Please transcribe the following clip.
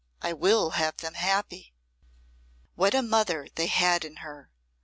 I will have them happy!" What a mother they had in her!